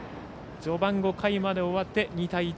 序盤、５回まで終わって２対１。